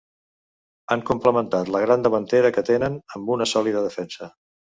Han complementat la gran davantera que tenen amb una sòlida defensa.